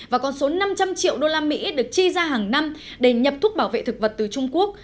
và con số năm trăm linh triệu usd được chi ra hàng năm để nhập thuốc bảo vệ thực vật từ trung quốc